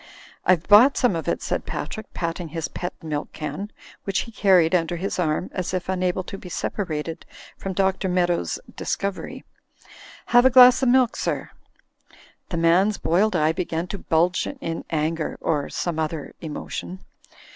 "I've bought some of it," said Patrick, patting his pet milk can, which he carried under his arm, as if tmable to be separated from Dr. Meadows's discovery. "Have a glass of milk, sir." The man's boiled eye began to bulge in anger— or some other emotion.